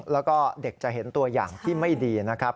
แล้วก็เด็กจะเห็นตัวอย่างที่ไม่ดีนะครับ